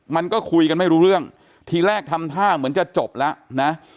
มันก็คุยกันไม่รู้เรื่องทีแรกทำท่าเหมือนจะจบแล้วนะ